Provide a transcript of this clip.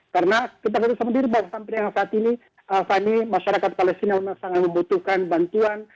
karena kita harus sendiri bahwa sampai dengan saat ini fani masyarakat palestina memang sangat membutuhkan bantuan